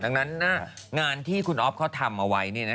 ดังนั้นงานที่คุณอ๊อฟเขาทำเอาไว้